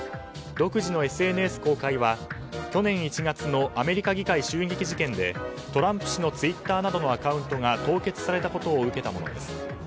独自のＳＮＳ公開は去年１月のアメリカ議会襲撃事件でトランプ氏のツイッターなどのアカウントが凍結されたことを受けたものです。